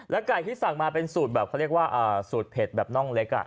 ไก่ที่สั่งมาเป็นสูตรแบบเขาเรียกว่าสูตรเผ็ดแบบน่องเล็ก